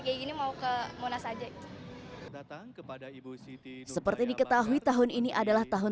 kayak gini mau ke monas aja datang kepada ibu siti seperti diketahui tahun ini adalah tahun